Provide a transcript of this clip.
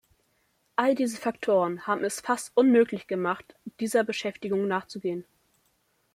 All diese Faktoren haben es fast unmöglich gemacht, dieser Beschäftigung nachzugehen.